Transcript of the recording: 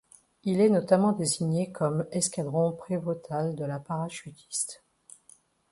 Il est notamment désigné comme escadron prévôtal de la parachutiste.